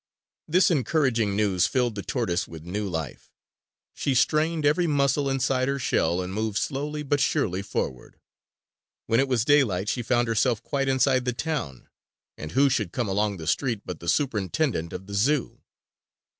This encouraging news filled the tortoise with new life. She strained every muscle inside her shell and moved slowly but surely forward. When it was daylight she found herself quite inside the town. And who should come along the street but the superintendent of the Zoo!